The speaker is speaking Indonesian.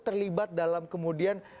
terlibat dalam kemudian